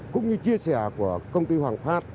cũng như chia sẻ của công ty hoàng pháp